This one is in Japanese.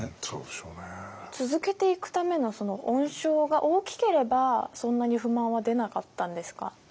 続けていくための恩賞が大きければそんなに不満は出なかったんですか？